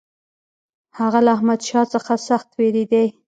هغه له احمدشاه څخه سخت وېرېدی.